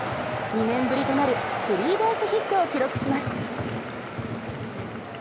２年ぶりとなるスリーベースヒットを記録します。